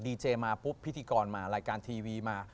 เจมาปุ๊บพิธีกรมารายการทีวีมา